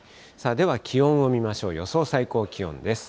では、気温を見ましょう、予想最高気温です。